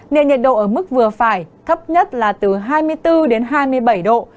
nên nhiệt độ ở mức vừa phải thấp nhất là từ hai mươi bốn đến hai mươi bảy độ